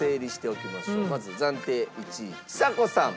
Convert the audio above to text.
まず暫定１位ちさ子さん。